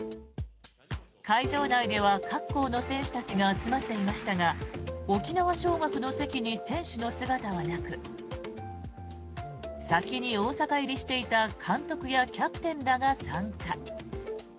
会場内では各校の選手たちが集まっていましたが沖縄尚学の席に選手の姿はなく先に大阪入りしていた監督やキャプテンらが参加。